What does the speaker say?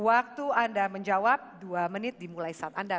pertanyaannya bagaimana kebijakan serta tindakan pusat dan tempat kesehatan konsumsi